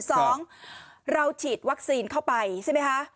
สองเราฉีดวัคซีนเข้าไปใช่ไหมคะ